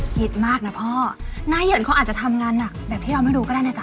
คิดมากนะพ่อหน้าเหินเขาอาจจะทำงานหนักแบบที่เราไม่รู้ก็ได้นะจ๊